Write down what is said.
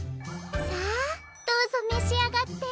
さあどうぞめしあがって。